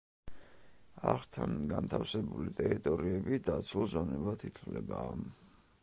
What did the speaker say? არხთან განთავსებული ტერიტორიები დაცულ ზონებად ითვლება.